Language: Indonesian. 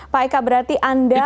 pak eka berarti anda